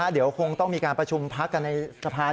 เดี๋ยวคงต้องมีการประชุมพักกันในสะพาน